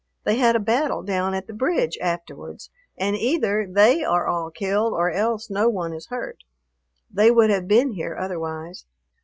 They had a battle down at the bridge afterwards and either they are all killed or else no one is hurt. They would have been here otherwise.